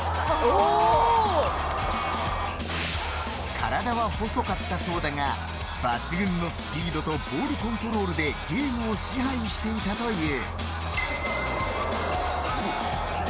体は細かったそうだが抜群のスピードとボールコントロールでゲームを支配していたという。